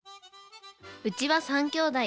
うちは３きょうだい。